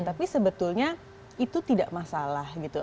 tapi sebetulnya itu tidak masalah gitu